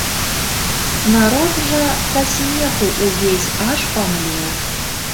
Народ жа са смеху увесь аж памлеў.